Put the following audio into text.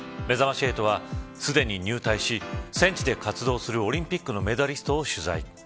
めざまし８は、すでに入隊し戦地で活動するオリンピックのメダリストを取材。